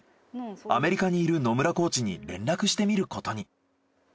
アメリカにいる野村コーチに連絡してみることに。